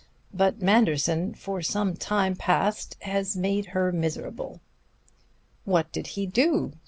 But Manderson, for some time past, had made her miserable." "What did he do?"